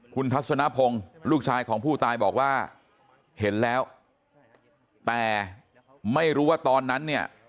คุณทัศนพงศ์ลูกชายของผู้ตายบอกว่าเห็นแล้วแต่ไม่รู้ว่าตอนนั้นเนี่ย